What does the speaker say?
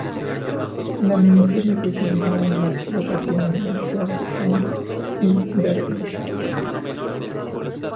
La miniserie fue filmada en las locaciones de Yorkshire y Derbyshire.